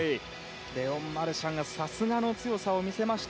レオン・マルシャンがさすがの強さを見せました。